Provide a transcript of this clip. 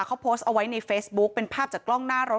เขาโพสต์เอาไว้ในเฟซบุ๊คเป็นภาพจากกล้องหน้ารถ